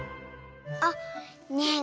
あっねえ